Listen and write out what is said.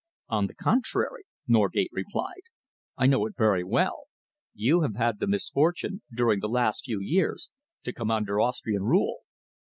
"On the contrary," Norgate replied, "I know it very well. You have had the misfortune, during the last few years, to come under Austrian rule."